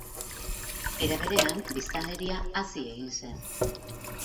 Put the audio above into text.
Era berean, biztanleria hazi egin zen.